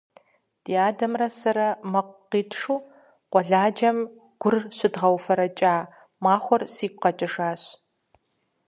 Ди адэрэ сэрэ мэкъу къитшу къуэладжэм гур щыдэдгъэуфэрэкӏа махуэр сигу къэкӏижащ.